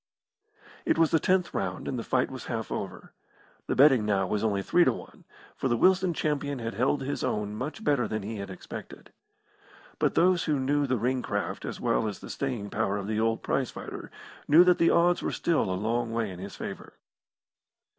It was the tenth round, and the fight was half over. The betting now was only three to one, for the Wilson champion had held his own much better than had been expected. But those who knew the ring craft as well as the staying power of the old prize fighter knew that the odds were still a long way in his favour.